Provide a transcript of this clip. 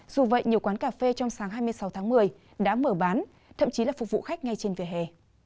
dù vậy nhiều quán cà phê trong sáng hai mươi sáu tháng một mươi đã mở bán thậm chí là phục vụ khách ngay trên vỉa hè